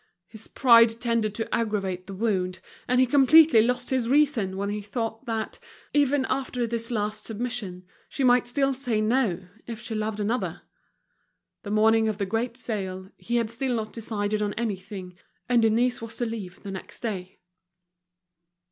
His pride tended to aggravate the wound, and he completely lost his reason when he thought that, even after this last submission, she might still say no, if she loved another. The morning of the great sale, he had still not decided on anything, and Denise was to leave the next day.